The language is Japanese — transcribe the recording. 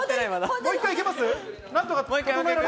もう１回いけますか？